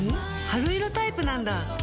春色タイプなんだ。